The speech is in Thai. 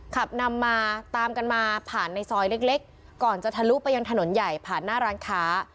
ขับนำมาตามกันมาผ่านในซอยเล็กก่อนจะทะลุไปยังถนนใหญ่ผ่านหน้าร้านค้า